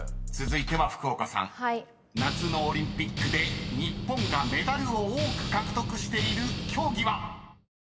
［夏のオリンピックで日本がメダルを多く獲得している競技は⁉］